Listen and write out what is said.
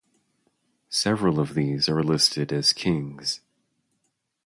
Several of these are listed as kings.